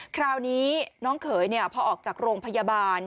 คราวนี้น้องเขยพอออกจากโรงพยาบาล